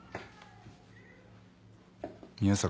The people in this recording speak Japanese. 宮坂。